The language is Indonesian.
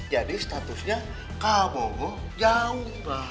jadi statusnya kabogo jauh